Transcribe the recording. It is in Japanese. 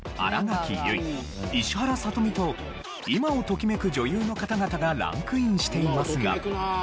結衣石原さとみと今をときめく女優の方々がランクインしていますが。